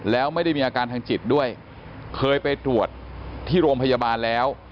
แล้วไม่ได้มีอาการทางจิตด้วยเคยไปตรวจที่โรงพยาบาลแล้ว